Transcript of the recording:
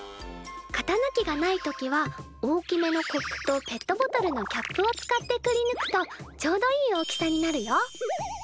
型ぬきがない時は大きめのコップとペットボトルのキャップを使ってくりぬくとちょうどいい大きさになるよ。